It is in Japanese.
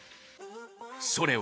それは。